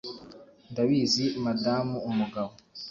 Ndabizi Madamu umugabo